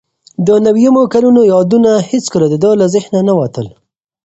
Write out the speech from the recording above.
د نویمو کلونو یادونه هیڅکله د ده له ذهنه نه وتل.